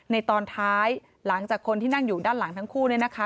ตอนท้ายหลังจากคนที่นั่งอยู่ด้านหลังทั้งคู่